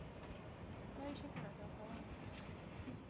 خدای شکر ادا کوم.